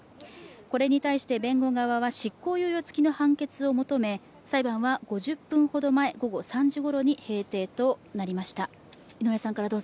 これに対して弁護側は執行猶予つきの判決を求め裁判は５０分ほど前、午後３時ごろに閉廷となりました。